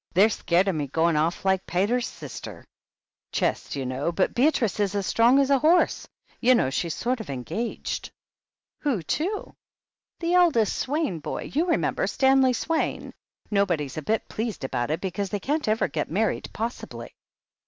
"They're scared of me going off like the pater's sister. Chest, you know. Bijt Beatrice is as strong as a horse. You know she's sort of engaged?" "Who to?" "The eldest Swaine boy — ^you remember Stanley Swaine ? Nobody's a bit pleased about it, because they can't ever get married, possibly."